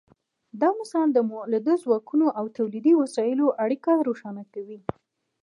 دا مثال د مؤلده ځواکونو او تولیدي وسایلو اړیکه روښانه کوي.